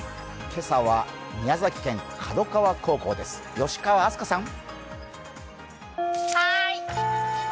今朝は宮崎県、門川高校です吉川明花さん。